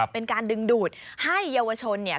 เป็นการดึงดูดให้เยาวชนเนี่ย